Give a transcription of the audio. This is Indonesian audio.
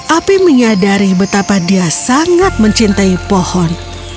api menyadari betapa dia sangat mencintai pohon